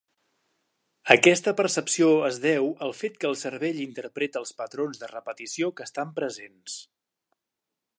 Aquesta percepció es deu al fet que el cervell interpreta els patrons de repetició que estan presents.